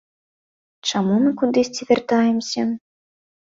Чаму мы кудысьці вяртаемся?